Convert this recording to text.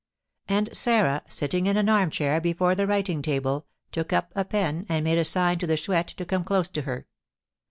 And Sarah, sitting in an armchair before the writing table, took up a pen, and made a sign to the Chouette to come close to her.